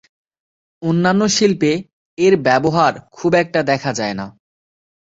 অন্যান্য শিল্পে এর ব্যবহার খুব একটা দেখা যায় না।